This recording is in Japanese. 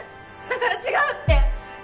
だから違うって！